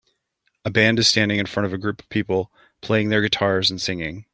A band is standing in front of a group of people playing there guitars and singing.